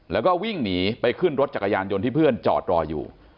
แล้วก็วิ่งหนีไปขึ้นรถจักรยานยนต์ที่เพื่อนจอดรออยู่